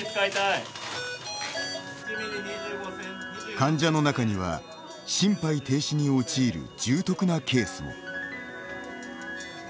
患者の中には、心肺停止に陥る重篤なケースも。